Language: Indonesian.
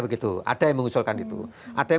begitu ada yang mengusulkan itu ada yang